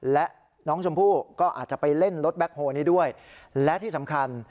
และน้องชมพู่ก็อาจจะไปเล่นรถแบ็คโฮนี้ด้วยและที่สำคัญ